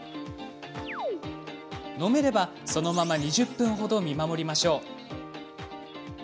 飲めれば、そのまま２０分ほど見守りましょう。